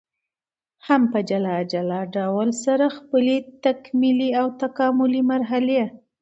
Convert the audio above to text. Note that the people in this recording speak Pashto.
هم په جلا جلا ډول سره خپلي تکمیلي او تکاملي مرحلې